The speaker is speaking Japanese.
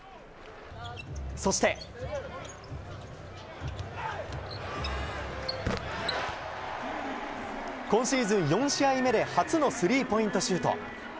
そして、今シーズン４試合目で初のスリーポイントシュート。